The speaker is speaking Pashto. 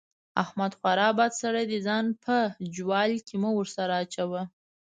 احمد خورا بد سړی دی؛ ځان په جوال کې مه ور سره اچوه.